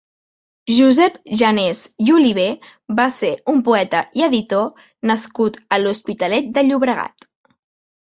Josep Janés i Olivé va ser un poeta i editor nascut a l'Hospitalet de Llobregat.